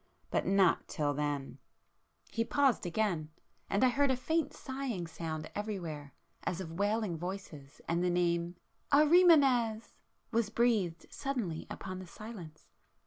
—but not till then!" He paused again,—and I heard a faint sighing sound everywhere as of wailing voices, and the name "Ahrimanes!" was breathed suddenly upon the silence.